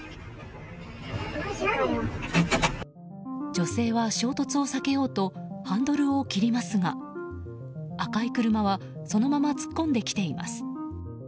女性は衝突を避けようとハンドルを切りますが赤い車はそのまま突っ込んできています。